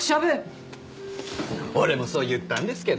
俺もそう言ったんですけど。